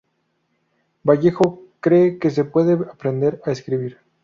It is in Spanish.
Vallejo cree que se puede aprender a escribir.